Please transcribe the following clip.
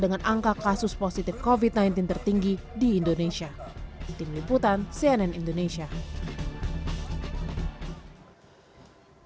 dengan pemacu semasa mengirim pola pola yang meny manualnya kepada masyarakat